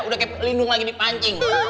udah kayak lindung lagi di pancing